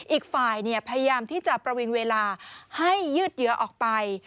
อีกฝ่ายพยายามที่จะประวิงเวลาให้ยืดเยื้อออกไป